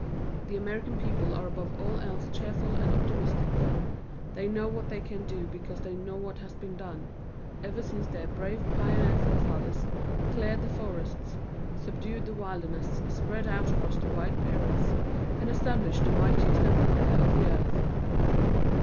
The American people are above all else cheerful and optimistic. They know what they can do because they know what has been done, ever since their brave pioneer forefathers cleared the forests, subdued the wilderness, spread out across the wide prairies, and established the mightiest empire of the earth.